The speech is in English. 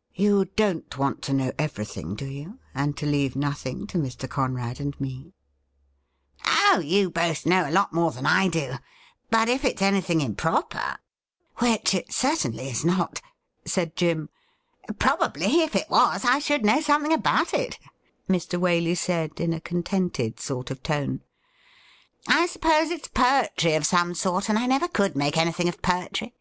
' You don't want to know every thing, do you, and to leave nothing to Mr. Conrad and me ?*' Oh, you both know a lot more than I do. But if it's anything improper '' V^Tiich it certainly is not,' said Jim. ' Probably if it was I should know something about it,' Mr. Waley said, in a contented sort of tone. ' I suppose SIR FRANCIS ROSE 137 it's poetry of some sort, and I never could make anything of poetry.